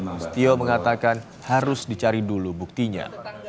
mustio mengatakan harus dicari dulu buktinya